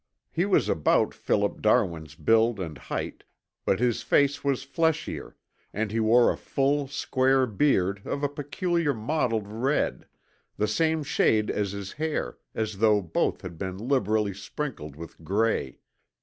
He was about Philip Darwin's build and height, but his face was fleshier, and he wore a full, square beard of a peculiar mottled red, the same shade as his hair, as though both had been liberally sprinkled with gray.